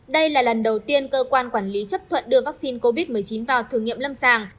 đây là lần đầu tiên cơ quan quản lý chấp thuận đưa vaccine covid một mươi chín vào thử nghiệm lâm sàng